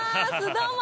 どうも！